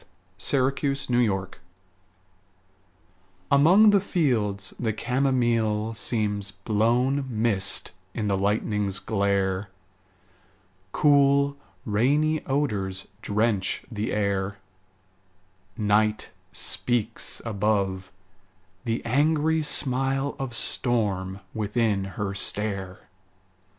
THE WINDOW ON THE HILL Among the fields the camomile Seems blown mist in the lightning's glare: Cool, rainy odors drench the air; Night speaks above; the angry smile Of storm within her stare.